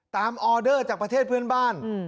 ออเดอร์จากประเทศเพื่อนบ้าน